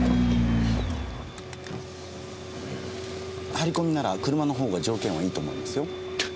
張り込みなら車の方が条件はいいと思いますよ。